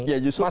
ya justru kalau